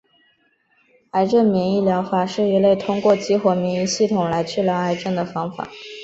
癌症免疫疗法是一类通过激活免疫系统来治疗癌症的方法。